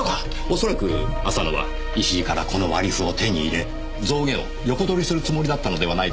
恐らく浅野は石井からこの割り符を手に入れ象牙を横取りするつもりだったのではないでしょうか。